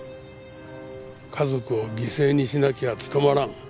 家族を犠牲にしなきゃ務まらん。